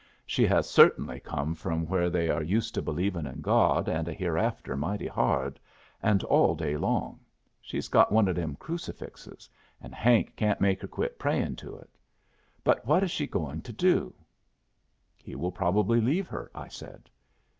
She has cert'nly come from where they are used to believing in God and a hereafter mighty hard, and all day long. She has got one o' them crucifixes, and Hank can't make her quit prayin' to it. But what is she going to do?" "He will probably leave her," I said.